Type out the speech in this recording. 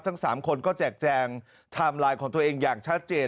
ทั้ง๓คนก็แจกแจงไทม์ไลน์ของตัวเองอย่างชัดเจน